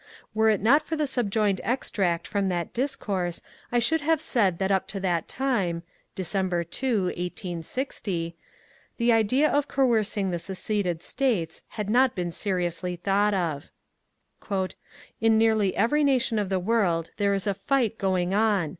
Were it not for the subjoined extract from that discourse I should have said that up to that time (December 2, 1860) the 322 MONCURE DANIEL CONWAY idea of coercing the seceded StSttes had not been seriooaly thought of. In nearly every nation of the world there is a fight going on.